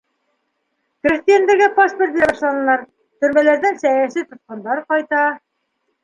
Крәҫтиәндәргә паспорт бирә башланылар, төрмәләрҙән сәйәси тотҡондар ҡайта.